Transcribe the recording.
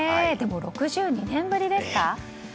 でも６２年ぶりですか。